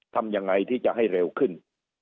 ทำยังไงที่จะให้เร็วขึ้น